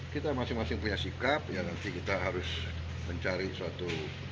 kita masing masing punya sikap ya nanti kita harus mencari suatu